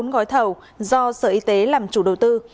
bốn gói thầu do sở y tế làm chủ đầu tư